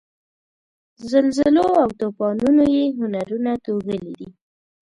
زلزلو او توپانونو یې هنرونه توږلي دي.